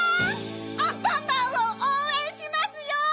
アンパンマンをおうえんしますよ！